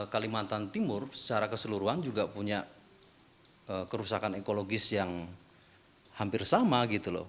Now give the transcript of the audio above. kalimantan timur secara keseluruhan juga punya kerusakan ekologis yang hampir sama gitu loh